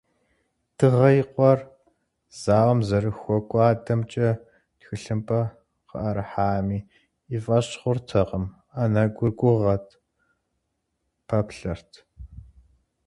Дыгъэ и къуэр зауэм зэрыхэкӏуэдамкӏэ тхылъымпӏэ къыӏэрыхьами, и фӏэщ хъуртэкъым, анэгур гугъэт, пэплъэрт.